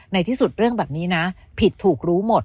ในที่สุดเรื่องแบบนี้นะผิดถูกรู้หมด